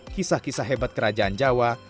kisah kisah hebat kerajaan jawa